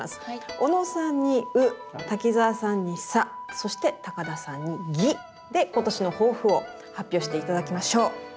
小野さんに「う」滝沢さんに「さ」そして高田さんに「ぎ」で今年の抱負を発表して頂きましょう。